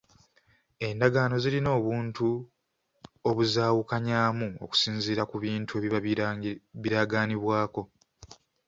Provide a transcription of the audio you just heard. Endagaano zirina obuntu obuzaawukanyaamu okusinziira ku bintu ebiba biragaanibwako.